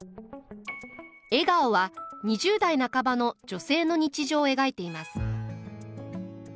「笑顔」は２０代半ばの女性の日常を描いています。